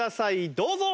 どうぞ！